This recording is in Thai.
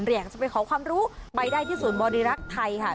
อยากจะไปขอความรู้ไปได้ที่ศูนย์บริรักษ์ไทยค่ะ